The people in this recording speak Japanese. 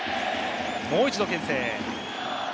もう一度、けん制。